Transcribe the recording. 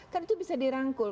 kan itu bisa dirangkul